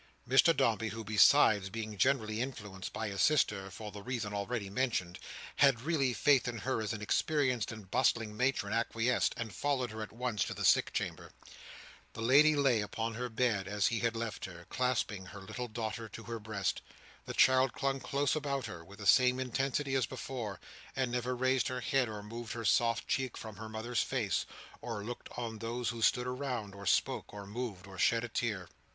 Mr Dombey, who, besides being generally influenced by his sister for the reason already mentioned, had really faith in her as an experienced and bustling matron, acquiesced; and followed her, at once, to the sick chamber. The lady lay upon her bed as he had left her, clasping her little daughter to her breast. The child clung close about her, with the same intensity as before, and never raised her head, or moved her soft cheek from her mother's face, or looked on those who stood around, or spoke, or moved, or shed a tear.